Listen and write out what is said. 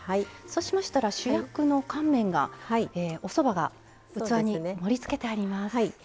そうしましたら主役の乾麺がおそばが器に盛りつけてあります。